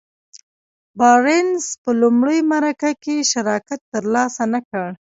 بارنس په لومړۍ مرکه کې شراکت تر لاسه نه کړ.